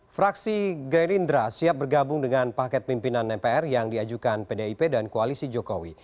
fraksi gerindra siap bergabung dengan paket pimpinan mpr yang diajukan pdip dan koalisi jokowi